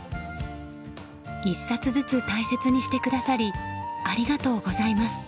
一冊ずつ大切にしてくださりありがとうございます。